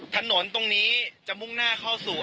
ถนนตรงนี้จะมุ่งหน้าเข้าสู่